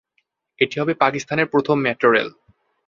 এটি হবে পাকিস্তানের প্রথম মেট্রো রেল।